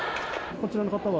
こちらの方は？